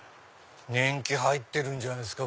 年季入ってるんじゃないですか？